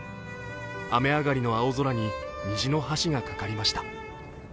雨上がりの青空に虹の橋がかかりました。